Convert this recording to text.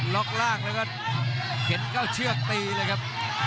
ล่างแล้วก็เข็นเข้าเชือกตีเลยครับ